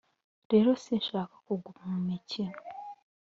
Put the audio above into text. rero sinshaka kuguma mu mikino.